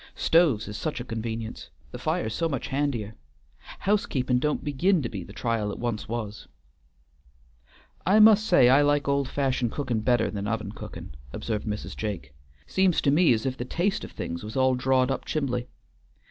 Stoves is such a convenience; the fire's so much handier. Housekeepin' don't begin to be the trial it was once." "I must say I like old fashioned cookin' better than oven cookin'," observed Mrs. Jake. "Seems to me's if the taste of things was all drawed up chimbly.